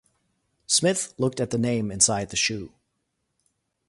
Smith looked at the name inside the shoe.